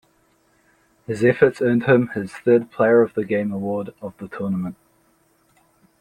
His efforts earned him his third player of the game award of the tournament.